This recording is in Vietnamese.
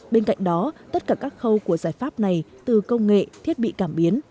bên cạnh đó tất cả các khâu của giải pháp này từ công nghệ thiết bị cảm biến